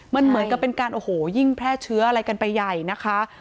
มันเหมือนกับเป็นการโอ้โหยิ่งแพร่เชื้ออะไรกันไปใหญ่นะคะ